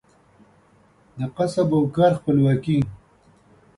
د کسب او کار خپلواکي